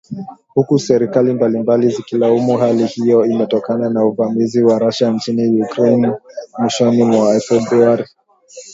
huku serikali mbalimbali zikilaumu hali hiyo imetokana na uvamizi wa Russia nchini Ukraine mwishoni mwa Februari